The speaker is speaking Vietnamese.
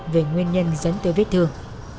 về nguyên nhân dẫn tới vết thương